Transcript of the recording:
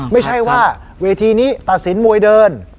ไม่ใช่ว่าเวทีนี้ตัดสินมวยเดิน